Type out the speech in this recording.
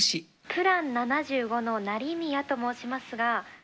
プラン７５の成宮と申しますが。